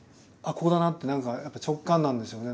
ここだなって何かやっぱ直感なんでしょうね。